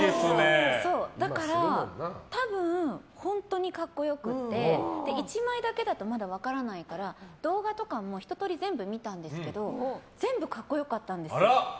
だから、多分本当に格好良くて、１枚だけだとまだ分からないから動画とかもひと通り見たんですけど全部、格好良かったんですよ。